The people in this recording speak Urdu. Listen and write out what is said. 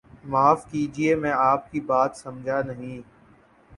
معاف کیجئے میں آپ کی بات سمجھانہیں